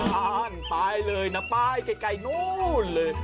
บ้านไปเลยนะไปไกลนู้นเลย